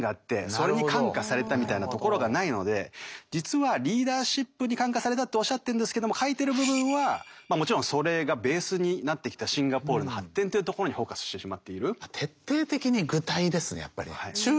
それに感化されたみたいなところがないので実はリーダーシップに感化されたっておっしゃってるんですけども書いてる部分はもちろんそれがベースになってきたシンガポールの発展というところにフォーカスしてしまっている。